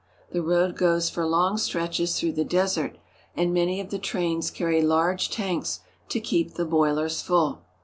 The road goes for long stretches through the desert, and many of the trains carry large tanks to keep the boilers full.